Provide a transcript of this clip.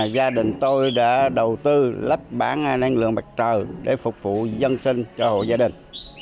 gia đình tôi đã đầu tư lắp bán năng lượng mặt trời để phục vụ dân sinh cho hộ gia đình